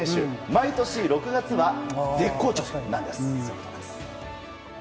毎年６月は絶好調なんです。